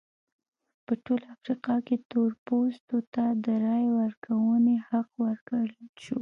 په ټوله افریقا کې تور پوستو ته د رایې ورکونې حق ورکړل شو.